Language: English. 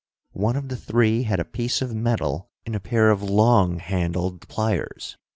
One of the three had a piece of metal in a pair of long handled pliers.